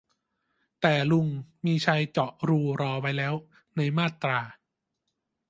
แต่ลุง มีชัย เจาะรูรอไว้แล้วในมาตรา